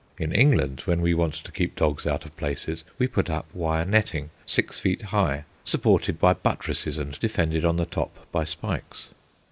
In England, when we want to keep dogs out of places, we put up wire netting, six feet high, supported by buttresses, and defended on the top by spikes.